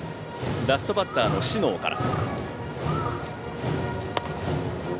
ラストバッターの小竹から。